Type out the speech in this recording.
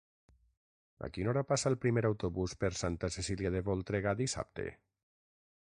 A quina hora passa el primer autobús per Santa Cecília de Voltregà dissabte?